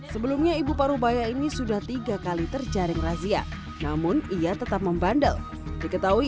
sebelumnya ibu parubaya ini sudah tiga kali terjaring razia namun ia tetap membandel diketahui